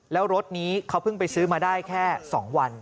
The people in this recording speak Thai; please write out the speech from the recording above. แล้วรถนี้เขาเพิ่งไปซื้อมาได้แค่๒วัน